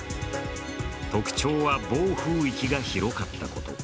特徴は暴風域が広かったこと。